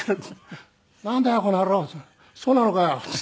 「なんだよこの野郎そうなのかよ？」。